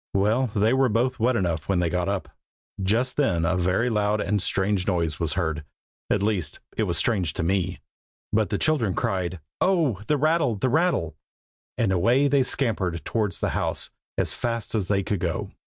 Well, they were both wet enough when they got up. Just then a very loud and strange noise was heard. At least, it was strange to me, but the children cried "Oh! the rattle, the rattle!" and away they scampered towards the house, as fast as they could go.